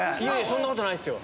そんなことないですよ。